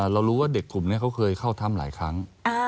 เรารู้ว่าเด็กกลุ่มนี้เขาเคยเข้าถ้ำหลายครั้ง